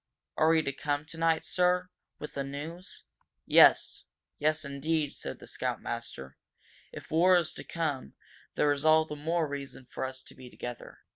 "Are we to come tonight, sir?" he said. "With this news ?" "Yes yes, indeed," said the scoutmaster. "If war is to come, there is all the more reason for us to be together.